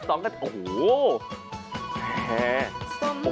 โอ้โห